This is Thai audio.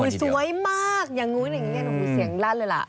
คือสวยมากอย่างนู้นอย่างนี้เสียงลั่นเลยล่ะ